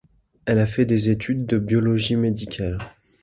Elle a fait des études biologie médicale.